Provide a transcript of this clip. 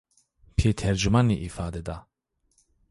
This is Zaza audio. Pê tercumanî îfade da